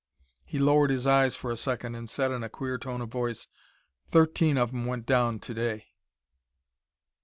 He lowered his eyes for a second and said in a queer tone of voice: "Thirteen of 'em went down to day."